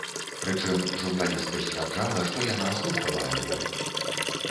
Прычым, журналістка сцвярджала, што яна слухала альбом.